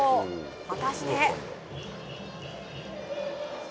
果たして。